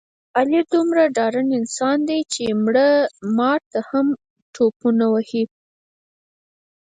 علي دومره ډارن انسان دی، چې مړه مار نه هم ټوپونه وهي.